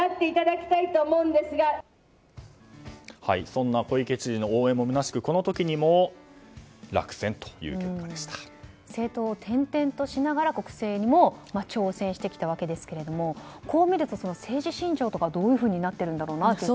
そんな小池知事の応援もむなしく政党を転々としながら国政にも挑戦してきたわけですがこう見ると、政治信条とかどうなってるんだろうなと。